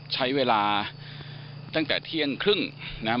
ใช้เวลาตั้งแต่เที่ยงครึ่งนะครับ